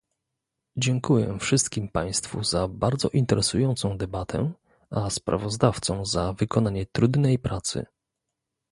Dziękuję wszystkim państwu za bardzo interesującą debatę, a sprawozdawcom za wykonanie trudnej pracy